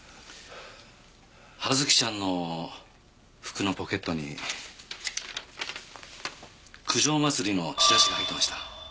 葉月ちゃんの服のポケットに九条まつりのチラシが入ってました。